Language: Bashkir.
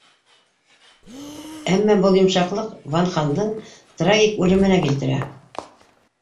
Әммә был йомшаҡлыҡ Ван хандың трагик үлеменә килтерә.